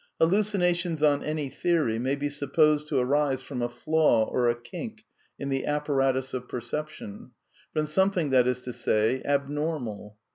Hal lucinations, on any theory, may be supposed to arise from a flaw or a kink in the apparatus of perception; from something, that is to say, abnormal.